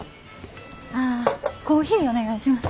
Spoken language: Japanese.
ああコーヒーお願いします。